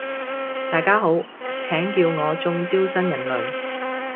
大家好，請叫我中招新人類